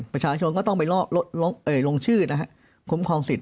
ประชาชนก็ต้องไปล่อลงชื่อเหลือคุ้มทรงสิทธิ์